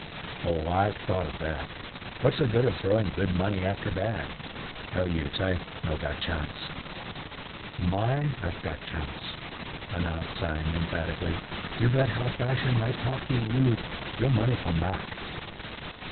"Oh, I've thought of that. What's the good of throwing good money after bad? No use, I no got chance." "My have got chance," announced Tsang emphatically, "you bet how fashion my talkee you, your money come back."